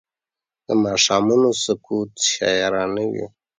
د ماښامونو سکوت شاعرانه وي